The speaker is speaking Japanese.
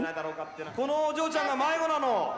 このお嬢ちゃんが迷子なの。